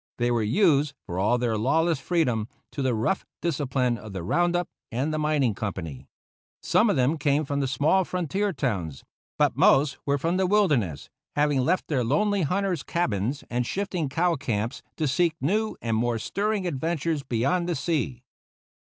They were used, for all their lawless freedom, to the rough discipline of the round up and the mining company. Some of them came from the small frontier towns; but most were from the wilderness, having left their lonely hunters' cabins and shifting cow camps to seek new and more stirring adventures beyond the sea.